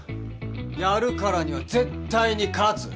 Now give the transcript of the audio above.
やるからには絶対に勝つ！